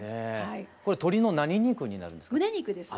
これ鶏の何肉になるんですか？